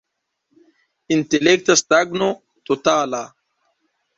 Intelekta stagno totala.